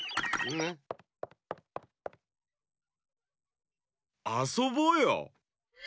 ぬ？あそぼうよ！